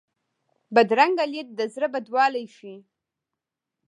بدرنګه لید د زړه بدوالی ښيي